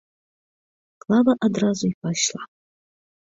Клава адразу і пайшла.